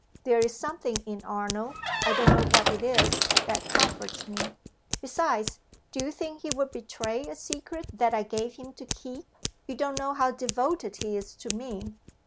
There is something in Arnold I don't know what it is that comforts me. Besides, do you think he would betray a secret that I gave him to keep? You don't know how devoted he is to me!"